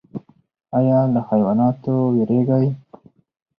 ایا له حیواناتو ویریږئ؟